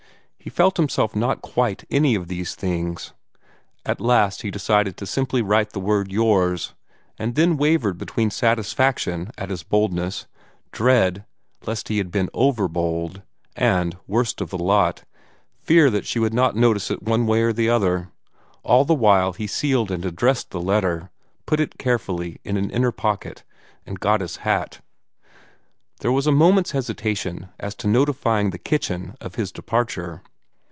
He felt himself not quite any of these things. At last he decided to write just the simple word "yours," and then wavered between satisfaction at his boldness, dread lest he had been over bold, and, worst of the lot, fear that she would not notice it one way or the other all the while he sealed and addressed the letter, put it carefully in an inner pocket, and got his hat. There was a moment's hesitation as to notifying the kitchen of his departure.